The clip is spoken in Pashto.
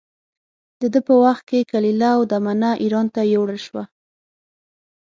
د ده په وخت کې کلیله و دمنه اېران ته یووړل شوه.